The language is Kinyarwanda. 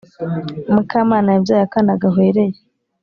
Mukamana yabyaye akana gahwereye